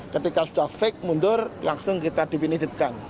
ketika sudah fake mundur langsung kita definitifkan